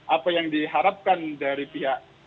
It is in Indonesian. apa yang diharapkan dari pihak